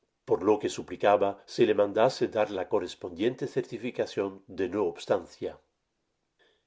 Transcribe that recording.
Por lo que suplicaba se le mandase dar la correspondiente Certificacion de no obstancia.